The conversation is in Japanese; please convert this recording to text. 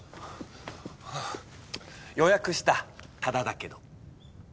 予約した多田だけど。